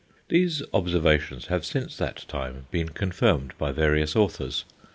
These observations have since that time been confirmed by various authors.